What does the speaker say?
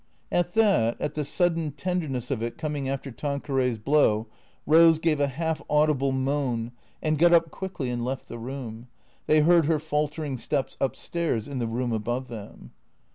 At that, at the sudden tenderness of it coming after Tanque ray's blow, Eose gave a half audible moan and got up quickly and left the room. They heard her faltering steps up stairs in the room above them.